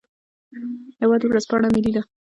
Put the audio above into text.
هیواد ورځپاڼه ملي ده